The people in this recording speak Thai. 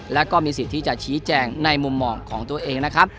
แล้วก็มีสิทธิ์ที่จะชี้แจงในมุมมองของตัวเองนะครับ